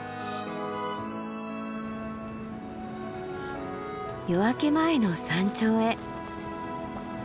夜明け前の山頂へ。